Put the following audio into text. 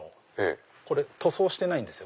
これ塗装してないんですよ